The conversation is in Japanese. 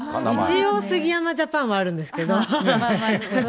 一応、杉山ジャパンはあるんですけど。